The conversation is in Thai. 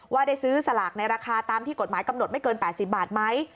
ว่าได้ซื้อสลากในราคาตามที่กฎหมายกำหนดไม่เกิน๘๐บาทไหม